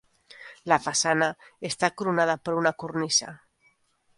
La façana està coronada per una cornisa.